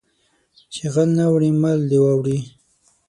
چې غل نه اوړي مال دې واوړي